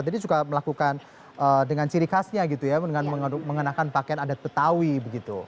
jadi juga melakukan dengan ciri khasnya gitu ya dengan mengenakan pakaian adat petawi begitu